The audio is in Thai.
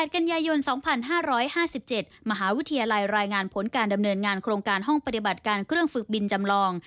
กันยายน๒๕๕๗มหาวิทยาลัยรายงานผลการดำเนินงานโครงการห้องปฏิบัติการเครื่องฝึกบินจำลอง